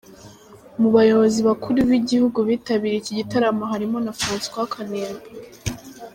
Mu bayobozi bakuru b'igihugu bitabiriye iki gitaramo harimo na Francois Kanimba.